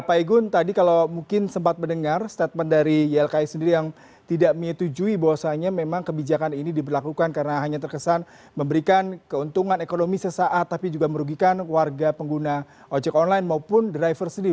pak igun tadi kalau mungkin sempat mendengar statement dari ylki sendiri yang tidak menyetujui bahwasannya memang kebijakan ini diberlakukan karena hanya terkesan memberikan keuntungan ekonomi sesaat tapi juga merugikan warga pengguna ojek online maupun driver sendiri